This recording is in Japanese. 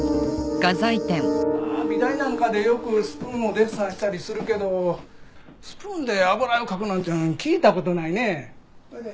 美大なんかでよくスプーンをデッサンしたりするけどスプーンで油絵を描くなんて聞いた事ないね。